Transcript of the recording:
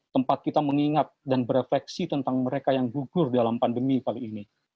tempat kita mengingat dan berefleksi tentang mereka yang gugur dalam pandemi kali ini